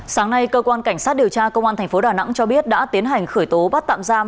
sáng nay cơ quan cảnh sát điều tra công an tp đà nẵng cho biết đã tiến hành khởi tố bắt tạm giam